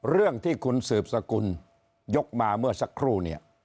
เรื่องที่คุณสืบสกุลยกมาเมื่อสักครู่เนี่ย